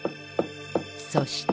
そして。